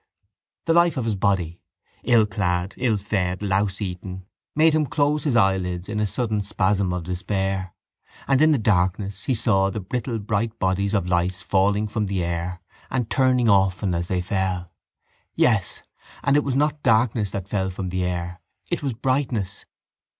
The life of his body, ill clad, ill fed, louse eaten, made him close his eyelids in a sudden spasm of despair and in the darkness he saw the brittle bright bodies of lice falling from the air and turning often as they fell. Yes, and it was not darkness that fell from the air. It was brightness.